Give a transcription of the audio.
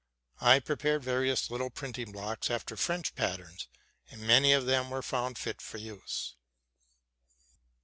I 'prepared various little printing blocks after French patterns, and many of them were found fit for use.